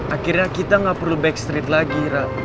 akhirnya kita gak perlu backstreet lagi